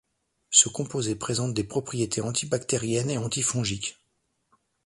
Ce composé présente des propriétés anti-bactérienne et anti-fongique.